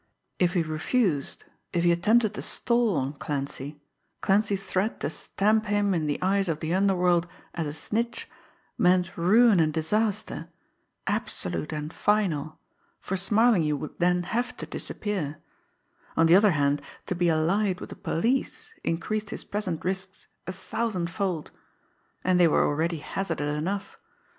If he refused, if he attempted to stall on Clancy, Clancy's threat to stamp him in the eyes of the underworld as a snitch meant ruin and disaster, absolute and final, for "Smarlinghue" would then have to disappear; on the other hand, to be allied with the police increased his present risks a thousandfold and they were already hazardous enough!